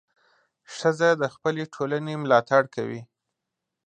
ښځه د خپلې ټولنې ملاتړ کوي.